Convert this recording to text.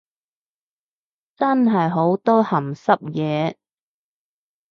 真係好多鹹濕嘢